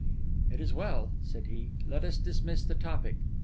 'It is well,' said he; 'let us dismiss the topic.